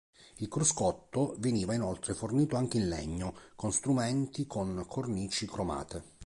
Il cruscotto veniva inoltre fornito anche in legno con strumenti con cornici cromate.